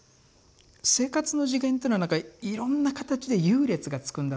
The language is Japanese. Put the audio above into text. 生活の次元ってのはなんかいろんな形で優劣がつくんだと思うんですよね。